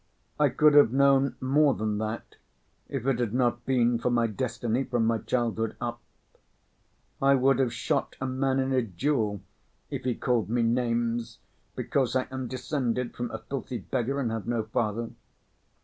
I could have known more than that, if it had not been for my destiny from my childhood up. I would have shot a man in a duel if he called me names because I am descended from a filthy beggar and have no father.